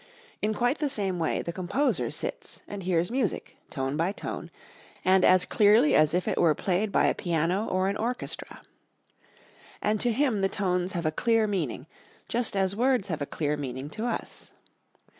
In quite the same way the composer sits and hears music, tone by tone, and as clearly as if it were played by a piano or an orchestra. And to him the tones have a clear meaning, just as words have a clear meaning to us.